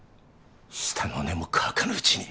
舌の根も乾かぬうちに。